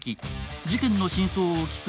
事件の真相を聞く